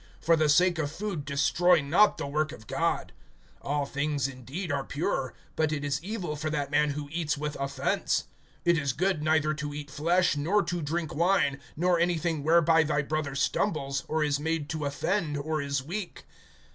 (20)For the sake of food destroy not the work of God. All things indeed are pure; but it is evil for that man who eats with offense. (21)It is good neither to eat flesh, nor to drink wine, nor anything whereby thy brother stumbles, or is made to offend, or is weak.